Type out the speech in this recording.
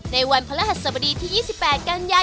ในวันพระราชสบดีที่๒๘กันยายนพศ๒๕๖๐มาร่วมสนุกกันเยอะนะคะ